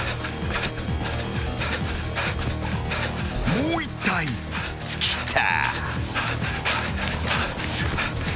［もう１体来た］